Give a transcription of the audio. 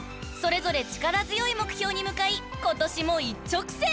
［それぞれ力強い目標に向かい今年も一直線。